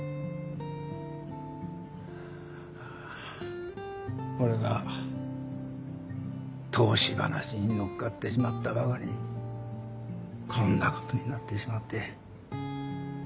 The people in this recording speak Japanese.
あぁ俺が投資話に乗っかってしまったばかりにこんなことになってしまって。